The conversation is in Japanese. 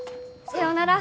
さようなら。